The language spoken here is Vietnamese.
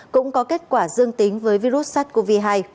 cũng có kết quả dương tính với virus sars cov hai